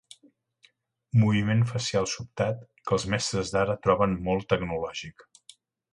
Moviment facial sobtat que els mestres d'ara troben molt tecnològic.